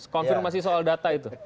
konfirmasi soal data itu